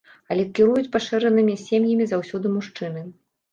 Але кіруюць пашыранымі сем'ямі заўсёды мужчыны.